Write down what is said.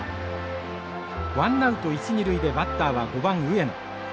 ワンナウト一二塁でバッターは５番上野。